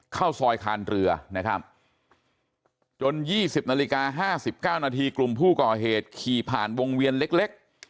เข้าซอยคานเรือนะครับจน๒๐นาฬิกา๕๙นาทีกลุ่มผู้ก่อเหตุขี่ผ่านวงเวียนเล็ก